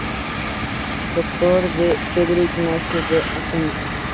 Dr. D. Pedro Ignacio de Acuña.